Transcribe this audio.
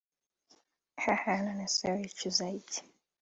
hahahah nonese uricuza iki